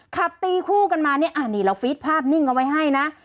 ขับตีคู่กันมาเนี่ยนี่เราฟีดภาพนิ่งเอาไว้ให้นะ